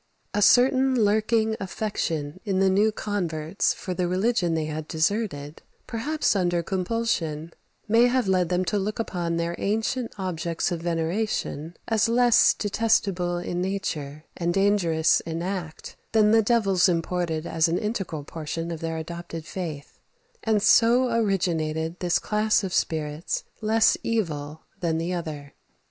A certain lurking affection in the new converts for the religion they had deserted, perhaps under compulsion, may have led them to look upon their ancient objects of veneration as less detestable in nature, and dangerous in act, than the devils imported as an integral portion of their adopted faith; and so originated this class of spirits less evil than the other.